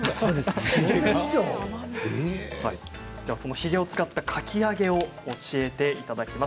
ヒゲを使ったかき揚げを教えていただきます。